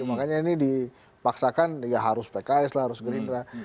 makanya ini dipaksakan ya harus pks lah harus gerindra